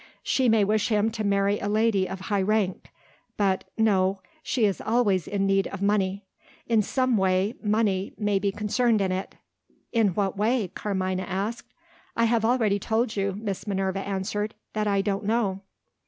She may wish him to marry a lady of high rank. But no she is always in need of money. In some way, money may be concerned in it." "In what way?" Carmina asked. "I have already told you," Miss Minerva answered, "that I don't know."